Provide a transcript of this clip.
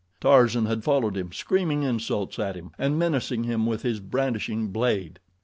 Tarzan had followed him, screaming insults at him, and menacing him with his brandishing blade.